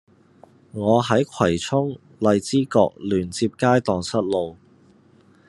我喺葵涌荔枝角聯接街盪失路